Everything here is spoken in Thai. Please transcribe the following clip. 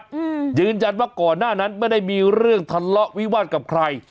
อืมยืนยันว่าก่อนหน้านั้นไม่ได้มีเรื่องทะเลาะวิวาสกับใคร